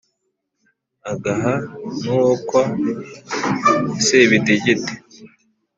agaha n uwó kwa sébidegéde